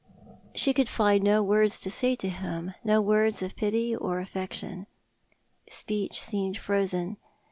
She could find no words to say to him— no words of pity or affection. Speech seemed frozen.